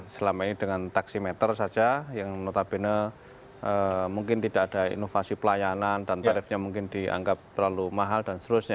selama ini dengan taksimeter saja yang notabene mungkin tidak ada inovasi pelayanan dan tarifnya mungkin dianggap terlalu mahal dan seterusnya